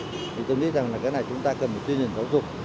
thì tôi nghĩ rằng là cái này chúng ta cần một tuyên truyền giáo dục